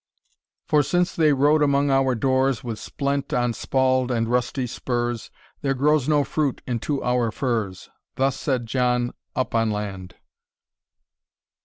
For since they rode among our doors With splent on spauld and rusty spurs, There grows no fruit into our furs; Thus said John Up on land.